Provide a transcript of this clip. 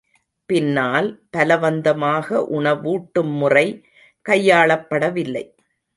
பின்னால் பலவந்தமாக உணவூட்டும் முறை கையாளப்படவில்லை.